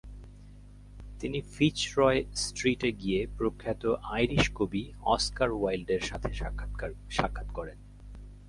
তিনি ফিচরয় স্টিটে গিয়ে প্রখ্যাত আইরিশ কবি অস্কার ওয়াইল্ডের সাথে সাক্ষাৎ করেন।